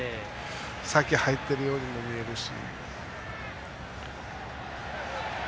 先に入ってるようにも見えるし。